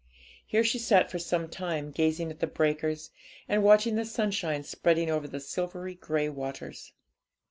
Here she sat for some time, gazing at the breakers, and watching the sunshine spreading over the silvery grey waters.